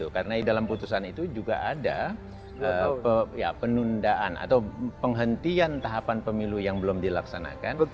karena dalam putusan itu juga ada penundaan atau penghentian tahapan pemilu yang belum dilaksanakan